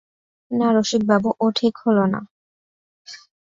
না রসিকবাবু, ও ঠিক হল না।